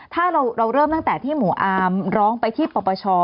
ถ้าเราเริ่มตั้งแต่ที่หมู่อาร์มร้องไปที่ปปช